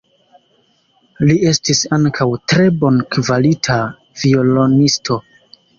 Li estis ankaŭ tre bonkvalita violonisto.